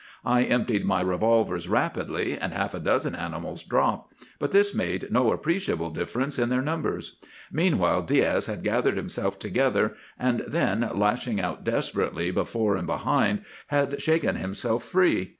I emptied my revolvers rapidly, and half a dozen animals dropped; but this made no appreciable difference in their numbers. Meanwhile Diaz had gathered himself together, and then, lashing out desperately before and behind, had shaken himself free.